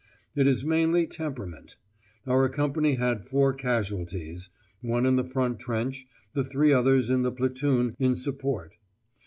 It is mainly temperament. Our company had four casualties: one in the front trench, the three others in the platoon in support.